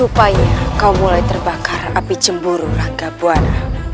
rupanya kau mulai terbangkar api cemburu rangabuan